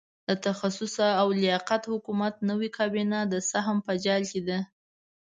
د تخصص او لیاقت د حکومت نوې کابینه د سهم په جال کې ده.